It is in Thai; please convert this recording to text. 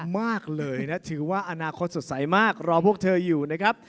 มากเลยนะถือว่าอนาคตสดใสมากรอพวกเธออยู่นะครับ